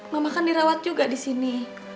mama kan dirawat juga di sini